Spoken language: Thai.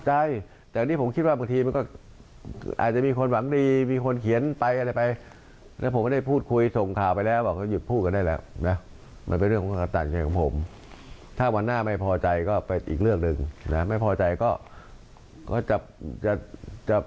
อันนี้เสียงของนายกรัฐมนตรีค่ะ